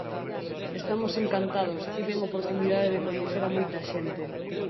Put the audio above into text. Estamos encantados, tiven oportunidade de coñecer a moita xente.